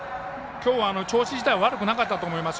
今日は調子自体は悪くなかったと思います。